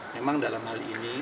memang dalam hal ini